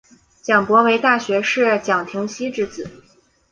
蒋溥为大学士蒋廷锡之子。